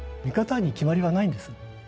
見方に決まりはないんです。